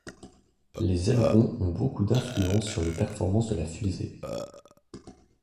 Les ailerons ont beaucoup d'influence sur les performances de la fusée.